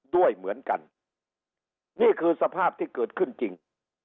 ด้วยเหมือนกันนี่คือสภาพที่เกิดขึ้นจริง